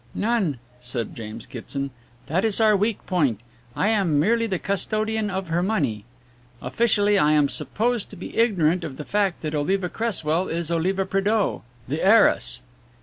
"None," said James Kitson, "that is our weak point. I am merely the custodian of her money. Officially I am supposed to be ignorant of the fact that Oliva Cresswell is Oliva Prédeaux, the heiress."